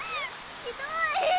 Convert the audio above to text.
ひどい。